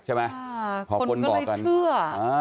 ใช่ไหมพอคนบอกกันเชื่อ